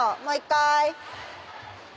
もう１回」